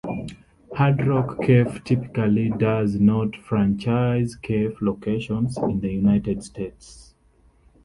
Hard Rock Cafe typically does not franchise cafe locations in the United States.